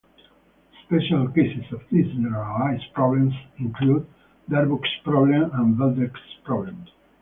Special cases of these generalized problems include "Darboux's problem" and "Velde's problem".